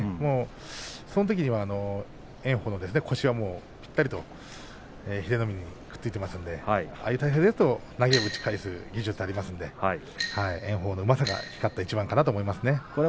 そのときには炎鵬の腰がもうぴったりと英乃海にくっついていますのでああいう体勢だと投げを打ち返す技術はありますので炎鵬のうまさが光った一番だと思いますね。